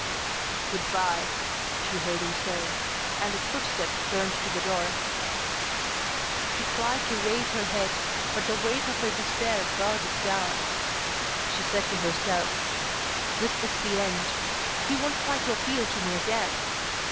"Good bye," she heard him say, and his footsteps turned to the door. She tried to raise her head, but the weight of her despair bowed it down. She said to herself: "This is the end ... he won't try to appeal to me again..."